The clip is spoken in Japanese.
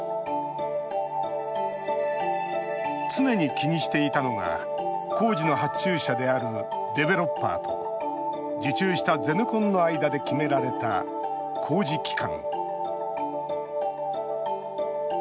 常に気にしていたのが工事の発注者であるデベロッパーと受注したゼネコンの間で決められた工事期間。